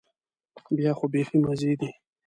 بیا خو بيخي مزې دي.